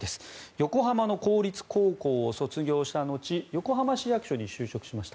横浜の公立高校を卒業した後横浜市役所に就職しました。